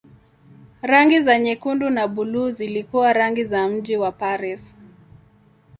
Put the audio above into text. Rangi za nyekundu na buluu zilikuwa rangi za mji wa Paris.